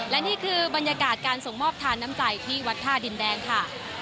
และนี่คือบรรยากาศการส่งมอบทานน้ำใจที่วัดท่าดินแดงค่ะ